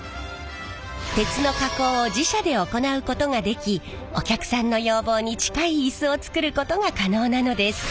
鉄の加工を自社で行うことができお客さんの要望に近いイスを作ることが可能なのです。